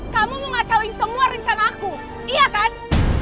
kamu mau ngacauin semua rencana aku iya kan